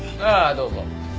ああどうぞ。